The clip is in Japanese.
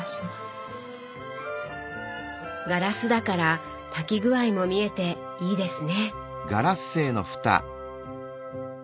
ガラスだから炊き具合も見えていいですね。